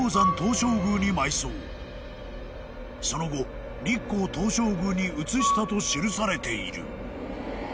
［その後日光東照宮に移したと記されている］